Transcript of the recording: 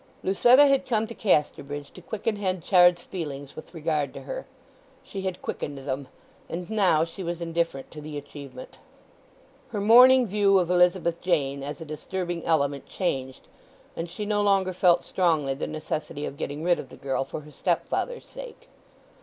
Lucetta had come to Casterbridge to quicken Henchard's feelings with regard to her. She had quickened them, and now she was indifferent to the achievement. Her morning view of Elizabeth Jane as a disturbing element changed, and she no longer felt strongly the necessity of getting rid of the girl for her stepfather's sake.